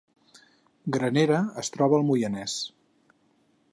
Granera es troba al Moianès